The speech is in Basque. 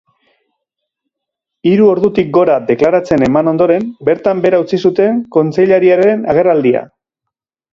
Hiru ordutik gora deklaratzen eman ondoren, bertan behera utzi zuten kontseilariaren agerraldia.